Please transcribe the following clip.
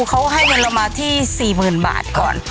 เขาให้หน่วยมาที่๔๐๐๐๐บาทก่อน